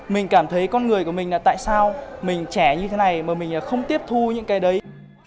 mình cảm thấy con người của mình là tại sao mình trẻ như thế này mà mình không tiếp thu những cái đấy